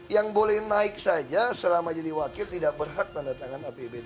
yang boleh naik saja selama jadi wakil tidak berhak tanda tangan apbd